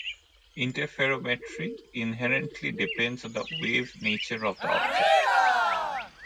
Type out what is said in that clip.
Interferometry inherently depends on the wave nature of the object.